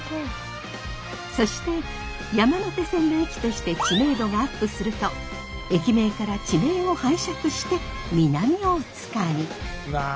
そして山手線の駅として知名度がアップすると駅名から地名を拝借して南大塚に。